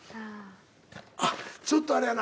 あっちょっとあれやな。